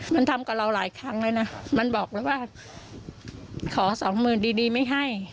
มันทำกับเราหลายครั้งแล้วนะมันบอกเลยว่าขอสองหมื่นดีไม่ให้